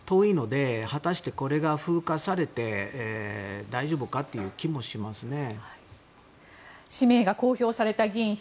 果たしてこれが風化されて大丈夫かという気もしますね。